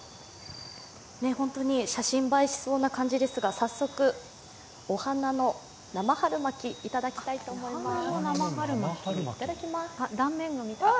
本当に写真映えしそうな感じですが早速、お花の生春巻き、いただきたいと思います。